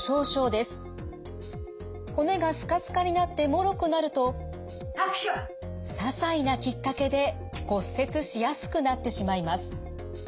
骨がスカスカになってもろくなるとささいなきっかけで骨折しやすくなってしまいます。